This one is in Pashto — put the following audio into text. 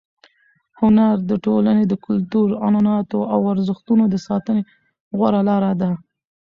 هنر د ټولنې د کلتور، عنعناتو او ارزښتونو د ساتنې غوره لار ده.